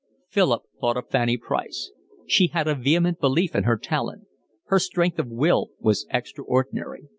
Philip thought of Fanny Price; she had a vehement belief in her talent; her strength of will was extraordinary.